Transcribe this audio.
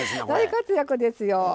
大活躍ですよ。